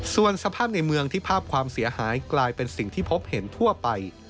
ส่วนสภาพในเมืองที่ภาพความเสียหายกลายเป็นสิ่งที่พบเห็นทั่วไป